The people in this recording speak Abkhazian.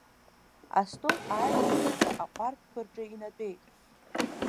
Астол ааигәарашәа аҟәардәқәа рҿы инатәеит.